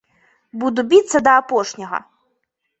Буду біцца да апошняга!